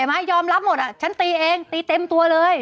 ยอมรับหมดอ่ะฉันตีเองตีเต็มตัวเลย